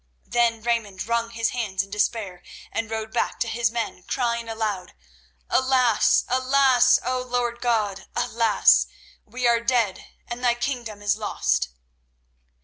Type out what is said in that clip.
Then Raymond wrung his hands in despair and rode back to his men, crying aloud: "Alas! alas! Oh! Lord God, alas! We are dead, and Thy Kingdom is lost."